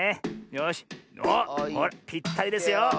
よしおっぴったりですよ。